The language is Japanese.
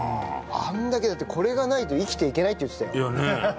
あれだけだってこれがないと生きていけないって言ってたよ。